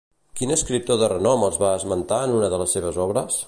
Quin escriptor de renom els va esmentar en una de les seves obres?